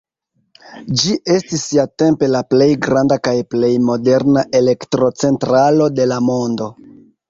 Ĝi estis siatempe la plej granda kaj plej moderna elektrocentralo de la mondo.